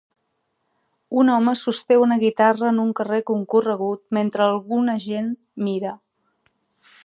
Un home sosté una guitarra en un carrer concorregut mentre alguna gent mira.